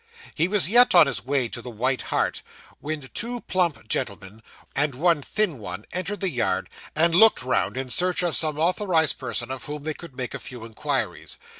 He was yet on his way to the White Hart, when two plump gentleman and one thin one entered the yard, and looked round in search of some authorised person of whom they could make a few inquiries.